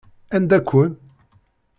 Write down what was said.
Anda-ken?